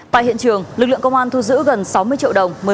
tại hiện trường lực lượng công an thu giữ gần sáu mươi triệu đồng